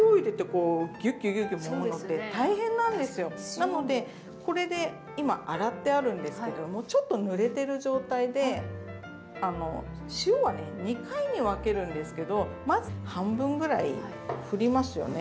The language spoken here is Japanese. なのでこれで今洗ってあるんですけどもちょっとぬれてる状態で塩はね２回に分けるんですけどまず半分ぐらいふりますよね。